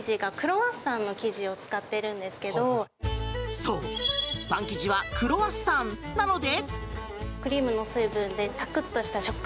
そう、パン生地はクロワッサン！なので。